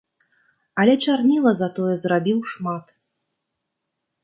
Але чарніла затое зрабіў шмат.